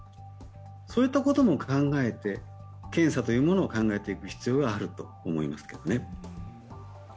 そういったことも考えて検査というものを考えていく必要があると思います。